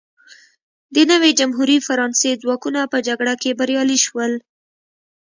د نوې جمهوري فرانسې ځواکونه په جګړه کې بریالي شول.